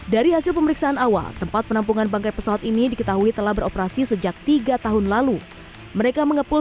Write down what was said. dari hasil pemeriksaan awal tempat penampungan bangkai pesawat ini diketahui telah beroperasi sejak tiga tahun lalu mereka mengepul